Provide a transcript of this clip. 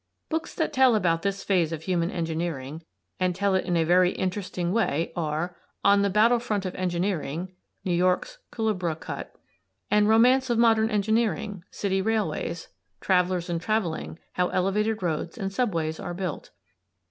Books that tell about this phase of human engineering and tell it in a very interesting way are "On the Battle front of Engineering" ("New York's Culebra Cut") and "Romance of Modern Engineering" ("City Railways"), "Travelers and Traveling" ("How Elevated Roads and Subways Are Built").